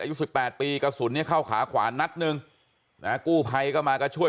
อายุ๑๘ปีกระสุนเนี่ยเข้าขาขวานัดนึงกู้ภัยก็มาก็ช่วย